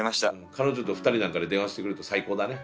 彼女と２人なんかで電話してくれると最高だね